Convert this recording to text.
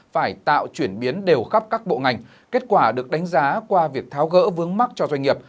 phải tạo chuyển biến đều khắp các bộ ngành kết quả được đánh giá qua việc tháo gỡ vướng mắt cho doanh nghiệp